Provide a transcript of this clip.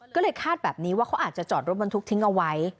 ก็เลยคาดแบบนี้ว่าเขาอาจจะจอดรถบรรทุกทิ้งเอาไว้